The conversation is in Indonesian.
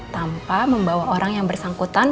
tanpa membawa orang yang bersangkutan